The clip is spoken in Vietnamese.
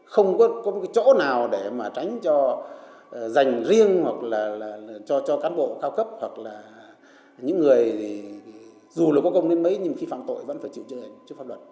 không có chỗ nào để tránh cho giành riêng hoặc là cho cán bộ cao cấp hoặc là những người dù là có công đến mấy nhưng khi phạm tội vẫn phải chịu chứa hành trước pháp luật